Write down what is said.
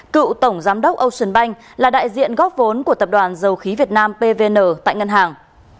cựu tổng giám đốc ocean bank là đại diện góp vốn của tập đoàn dầu khí việt nam pvn tại ngân hàng